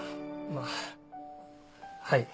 まぁはい。